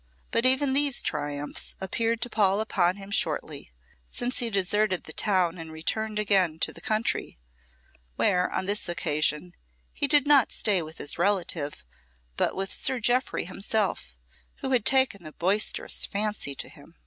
But even these triumphs appeared to pall upon him shortly, since he deserted the town and returned again to the country, where, on this occasion, he did not stay with his relative, but with Sir Jeoffry himself, who had taken a boisterous fancy to him.